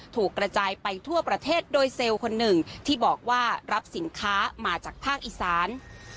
ถูกกระจายไปทั่วประเทศโดยเซลล์คนหนึ่งที่บอกว่ารับสินค้ามาจากภาคอีสาน